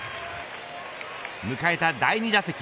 迎えた第２打席。